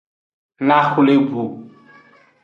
Naxwle bu.